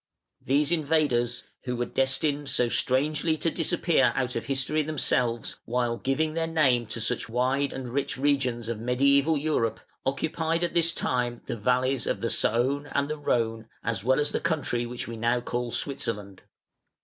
These invaders, who were destined so strangely to disappear out of history themselves, while giving their name to such wide and rich regions of mediæval Europe, occupied at this time the valleys of the Saone and the Rhone, as well as the country which we now call Switzerland.